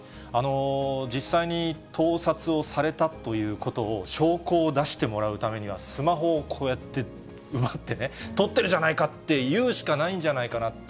実際に、盗撮をされたということを証拠を出してもらうためには、スマホをこうやって奪ってね、撮ってるじゃないかっていうしかないんじゃないかなって。